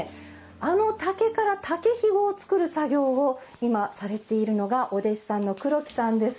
あの竹から竹ひごを作る作業を今されているのがお弟子さんの木さんです。